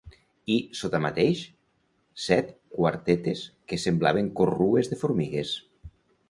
I, sota mateix, set quartetes que semblaven corrues de formigues.